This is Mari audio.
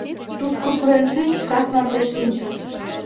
Тушко пурен шич, кас марте шинче.